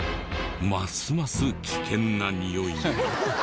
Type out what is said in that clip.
ますます危険なにおい。